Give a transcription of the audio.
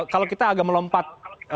kalau kita agak melompat